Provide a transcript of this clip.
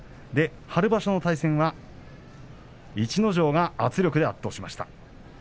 春場所の対戦は逸ノ城が圧力で圧倒しました。